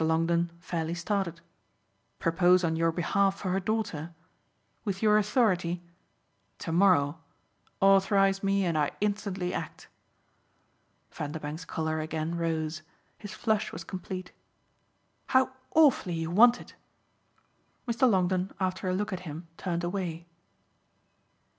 Longdon fairly started. "Propose on your behalf for her daughter? With your authority tomorrow. Authorise me and I instantly act." Vanderbank's colour again rose his flush was complete. "How awfully you want it!" Mr. Longdon, after a look at him, turned away.